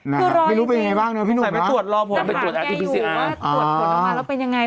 ไม่รู้เป็นยังไงบ้างเนอะพี่หนุ่มเหรอนั่นฝากแกอยู่ว่าตรวจปลดออกมาแล้วเป็นยังไง